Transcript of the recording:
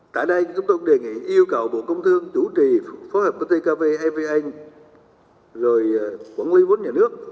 tại đây chúng tôi đề nghị yêu cầu bộ công thương chủ trì phối hợp với tkv evn rồi quản lý vốn nhà nước